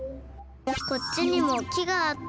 こっちにも木があった。